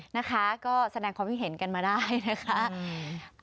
นะคะก็แสดงความคิดเห็นกันมาได้นะคะ